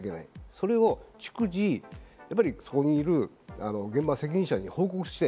それを逐次、そこにいる現場責任者に報告して。